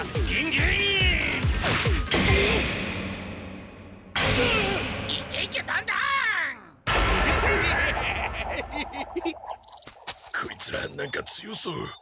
ゲッ！こいつら何か強そう。